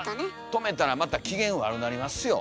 止めたらまた機嫌悪なりますよ。